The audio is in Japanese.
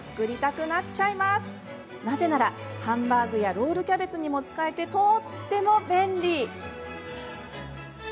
なぜならハンバーグやロールキャベツにも使えてとっても便利！